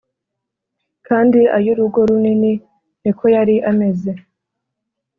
kandi ay’urugo runini ni ko yari ameze